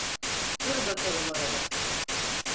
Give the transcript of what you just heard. Dur bakalım orada!